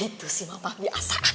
itu sih mama biasa